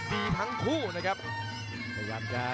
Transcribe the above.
เป็นมวยที่เก็บจักครัวสู้ชกให้ดีครับ